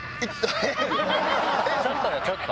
ちょっとよちょっと。